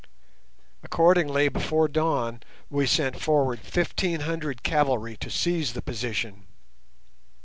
Accordingly before dawn we sent forward fifteen hundred cavalry to seize the position.